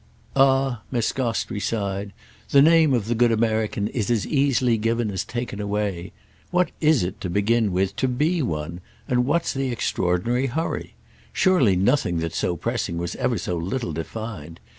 "Ah," Miss Gostrey sighed, "the name of the good American is as easily given as taken away! What is it, to begin with, to be one, and what's the extraordinary hurry? Surely nothing that's so pressing was ever so little defined.